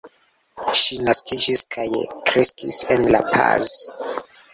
Ŝi naskiĝis kaj kreskis en La Paz.